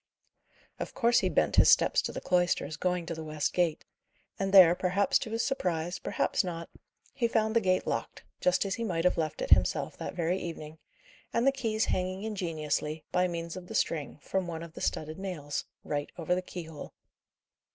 Of course he bent his steps to the cloisters, going to the west gate. And there, perhaps to his surprise, perhaps not, he found the gate locked, just as he might have left it himself that very evening, and the keys hanging ingeniously, by means of the string, from one of the studded nails, right over the keyhole.